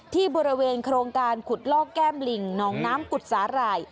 ที่บริเวณโครงการขุดลอกแก้มลิงหนองน้ำกุฎสาหร่าย